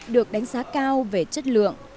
được đánh giá cao về chất lượng